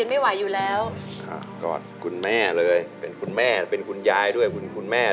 มีความสุขค่ะมีความสุขมาก